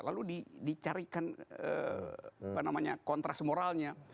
lalu dicarikan kontras moralnya